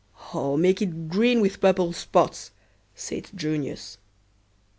'" "Oh, make it green with purple spots," said Junius.